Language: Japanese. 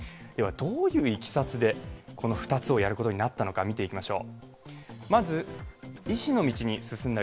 どういういきさつで、この２つをやることになったのか見ていきましょう。